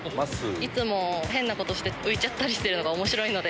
いつも変なことして浮いちゃったりするのがおもしろいので。